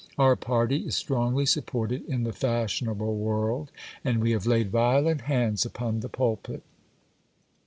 Our party is strongly supported in the fashionable world, and we have laid violent hands upon the pulpit.